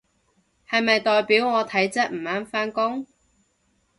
係咪代表我體質唔啱返工？